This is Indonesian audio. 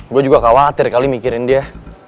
gue juga khawatir kali mikirin dia